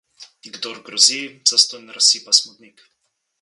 Kdor grozi, zastonj razsipa smodnik.